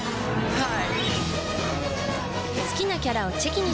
はい。